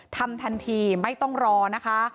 ทำทันทีไม่ต้องรอนะคะ